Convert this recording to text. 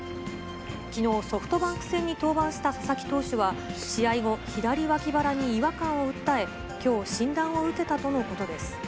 きのう、ソフトバンク戦に登板した佐々木投手は、試合後、左脇腹に違和感を訴え、きょう、診断を受けたとのことです。